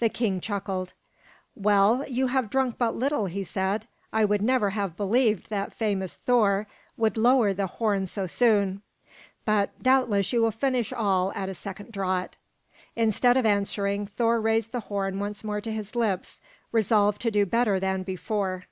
The king chuckled. "Well, you have drunk but little," he said. "I would never have believed that famous Thor would lower the horn so soon. But doubtless you will finish all at a second draught." Instead of answering, Thor raised the horn once more to his lips, resolved to do better than before.